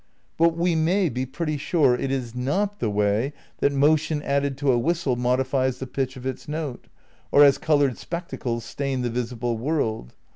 But we may be pretty sure it is not "the way that motion added to a whistle modifies the pitch of its note, or as coloured spectacles stain the visible world.